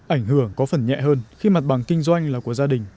ảnh hưởng có phần nhẹ hơn khi mặt bằng kinh doanh là của gia đình